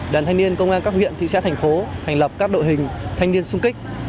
đoàn thanh niên công an các huyện thị xã thành phố thành lập các đội hình thanh niên sung kích